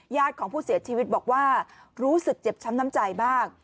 ญาติของผู้เสียชีวิตบอกว่ารู้สึกเจ็บช้ำน้ำใจมาก